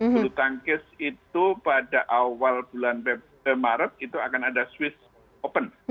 bulu tangkis itu pada awal bulan maret itu akan ada swiss open